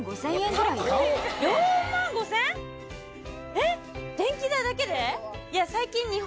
えっ電気代だけで？